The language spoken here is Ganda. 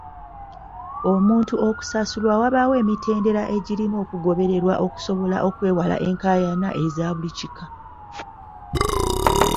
Omuntu okusasulwa wabaawo emitendera egirina okugobererwa okusobola okwewala enkayana ezaabuli kika.